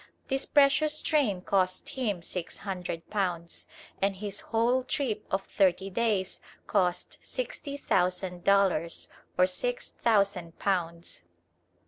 This precious train cost him six hundred pounds; and his whole trip of thirty days cost sixty thousand dollars, or six thousand pounds.